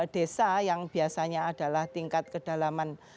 desa yang biasanya adalah tingkat kedalaman